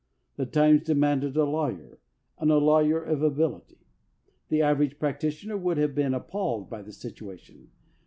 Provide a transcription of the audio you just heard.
The times demanded a lawyer, and a lawyer of ability. The average practitioner would have been appalled by the situation.